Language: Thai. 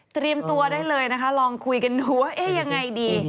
เตรียมตัวได้เลยนะคะลองคุยกันดูว่าเอ๊ะยังไงดี